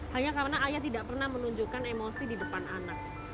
hanya karena ayah tidak pernah menunjukkan emosi di depan anak